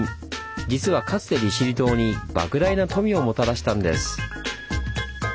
実はかつて利尻島にばく大な富をもたらしたんです。